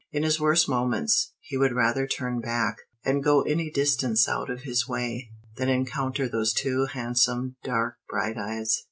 In his worst moments, he would rather turn back, and go any distance out of his way, than encounter those two handsome, dark, bright eyes.